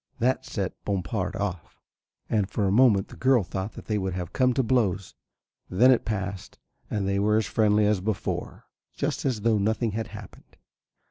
That set Bompard off, and for a moment the girl thought they would have come to blows. Then it passed and they were as friendly as before, just as though nothing had happened.